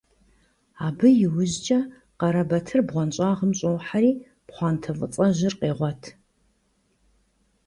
Абы иужькӀэ Къарэбатыр бгъуэнщӀагъым щӀохьэри пхъуантэ фӀыцӀэжьыр къегъуэт.